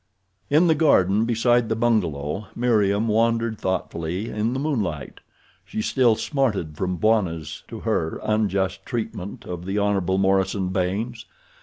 In the garden beside the bungalow Meriem wandered thoughtfully in the moonlight. She still smarted from Bwana's, to her, unjust treatment of the Hon. Morison Baynes.